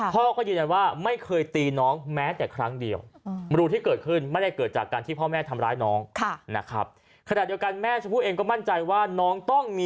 พ่อก็ยืนยันว่าไม่เคยตีน้องแม้แต่ครั้งเดียวที่เกิดขึ้นไม่ได้เกิดจากการที่พ่อแม่ทำร้ายน้องนะครับ